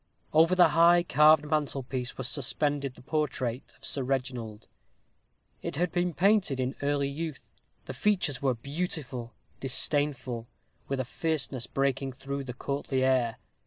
Over the high carved mantelpiece was suspended the portrait of Sir Reginald. It had been painted in early youth; the features were beautiful, disdainful, with a fierceness breaking through the courtly air.